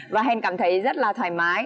và hèn cảm thấy rất là thoải mái